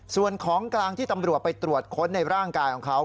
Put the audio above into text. ส่วนของกลางที่ตำรวจไปตรวจค้นในร่างกายของเขา